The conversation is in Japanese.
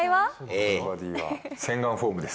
僕のバディーは洗顔フォームです。